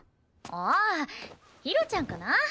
ああひろちゃんかな？